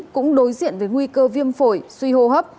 cũng đối diện với nguy cơ viêm phổi suy hô hấp